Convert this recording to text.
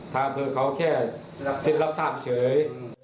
ทาง๔๘เขาแค่สิทธิ์รับทราบกันเฉย